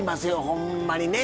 ほんまにね。